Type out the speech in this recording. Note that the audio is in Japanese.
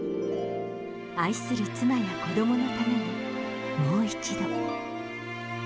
愛する妻や子どものために、もう一度。